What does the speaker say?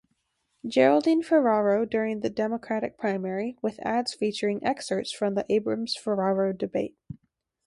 Geraldine Ferraro during the Democratic primary, with ads featuring excerpts from the Abrams-Ferraro debate.